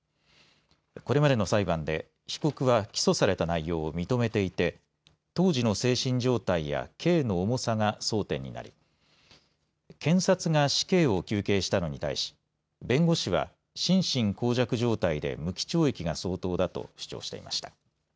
これまでの裁判で被告は起訴された内容を認めていて当時の精神状態や刑の重さが争点になり検察が死刑を求刑したのに対し弁護士は心神耗弱状態で無期懲役が相当だと主張していました。